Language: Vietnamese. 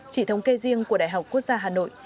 chỉ thống kê riêng của đại học quốc gia hà nội